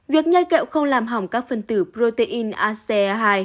việc nhai kẹo không làm hỏng các phần tử protein ace hai